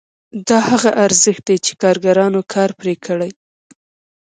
دا هغه ارزښت دی چې کارګرانو کار پرې کړی